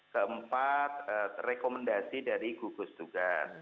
keempat rekomendasi dari gugus tugas